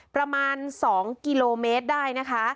ประมาณ๒กิโลเมตรได้นะคะ